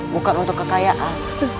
bukan untuk kekayaan